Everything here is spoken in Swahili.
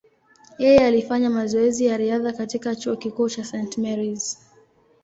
Yeye alifanya mazoezi ya riadha katika chuo kikuu cha St. Mary’s.